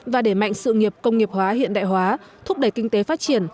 và để mạnh sự nghiệp công nghiệp hóa hiện đại hóa thúc đẩy kinh tế phát triển